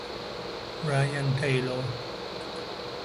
Brian Taylor